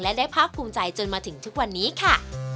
และได้ภาคภูมิใจจนมาถึงทุกวันนี้ค่ะ